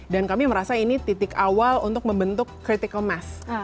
dan kami merasa ini titik awal untuk membentuk critical mass